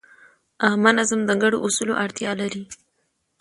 عامه نظم د ګډو اصولو اړتیا لري.